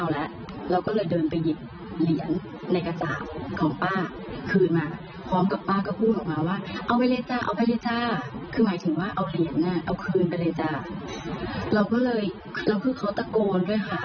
เราก็เลยแล้วคือเขาตะโกนด้วยค่ะ